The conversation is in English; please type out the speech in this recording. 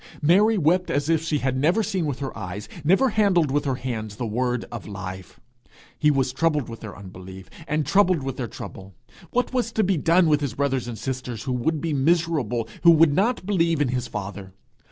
Mary wept as if she had never seen with her eyes, never handled with her hands the Word of life! He was troubled with their unbelief, and troubled with their trouble. What was to be done with his brothers and sisters who would be miserable, who would not believe in his father!